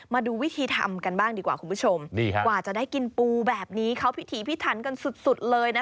มาดูวิธีทำกันบ้างดีกว่าคุณผู้ชมกว่าจะได้กินปูแบบนี้เขาพิถีพิถันกันสุดเลยนะ